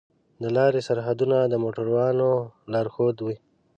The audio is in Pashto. د لارې سرحدونه د موټروانو لارښود وي.